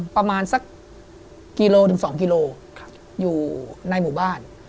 ประมาณ๑๒กิโลเมตรอยู่ในหมู่บ้าน